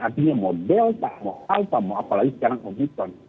artinya mau delta mau alpha mau apalagi sekarang omikron